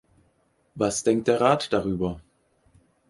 Was denkt der Rat darüber?